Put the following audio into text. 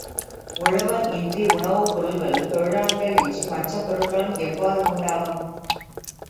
உழவர் இன்றி உணவுப் பொருள்களும், தொழிலாளர்கள் இன்றி மற்ற பொருள்களும் எவ்வாறு உண்டாகும்?